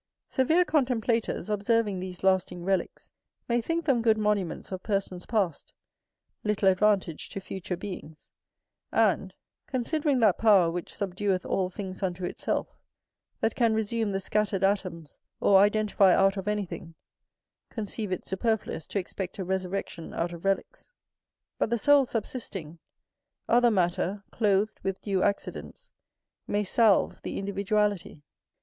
Severe contemplators, observing these lasting relicks, may think them good monuments of persons past, little advantage to future beings; and, considering that power which subdueth all things unto itself, that can resume the scattered atoms, or identify out of anything, conceive it superfluous to expect a resurrection out of relicks: but the soul subsisting, other matter, clothed with due accidents, may salve the individuality.